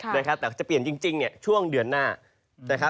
แต่จะเปลี่ยนจริงช่วงเดือนหน้า